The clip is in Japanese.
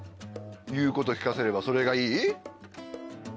言うこと聞かせればそれがいい？